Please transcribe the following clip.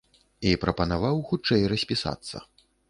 І прапанаваў хутчэй распісацца.